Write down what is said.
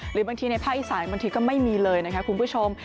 หรือบางทีในภาคอีสานบางทีก็ไม่มีเลยนะคะคุณผู้ชม